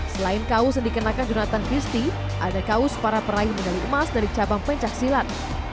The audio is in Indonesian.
selain kaos yang dikenakan jonathan christie ada kaos para peraih medali emas dari cabang pencaksilat